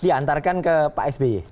diantarkan ke pak sbe